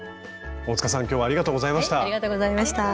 大さん今日はありがとうございました